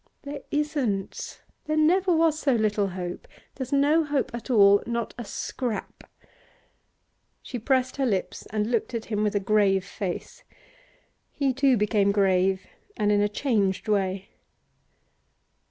'There isn't. There never was so little hope. There's no hope at all, not a scrap!' She pressed her lips and looked at him with a grave face. He too became grave, and in a changed way.